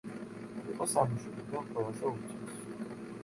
იყო სამი შვილიდან ყველაზე უმცროსი.